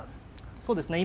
そうですね